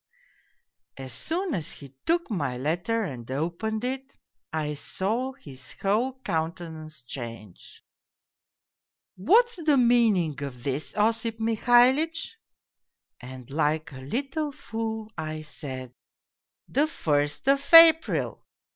" As soon as he took my letter and opened it, I saw his whole countenance change. "?' What's the meaning of this, Osip Mihalitch ?' "And like a little fool I said "' The first of April